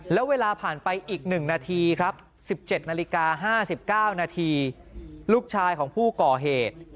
แล้วเวลาผ่านไปอีก๑นาทีครับ๑๗นาฬิกา๕๙นาทีลูกชายของผู้ก่อเหตุ